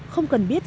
không cần biết